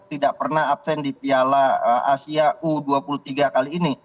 tidak pernah absen di piala asia u dua puluh tiga kali ini